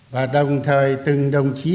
và đồng thời từng đồng chí